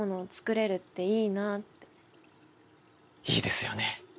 いいですよね！